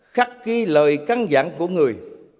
khắc ghi lời căng dặn của người